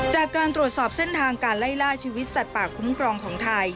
จากการตรวจสอบเส้นทางการไล่ล่าชีวิตสัตว์ป่าคุ้มครองของไทย